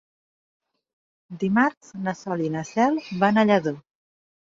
Dimarts na Sol i na Cel van a Lladó.